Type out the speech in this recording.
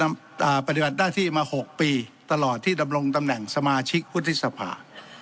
ปฏิบัติหน้าที่มาหกปีตลอดที่ดำรงตำแหน่งสมาชิกวุฒิสภา